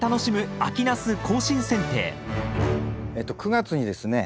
９月にですね